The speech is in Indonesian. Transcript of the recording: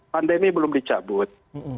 pandemi belum dicabut